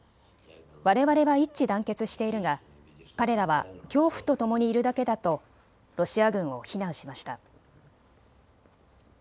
われわれは一致団結しているが彼らは恐怖とともにいるだけだとロシア軍を非難しました。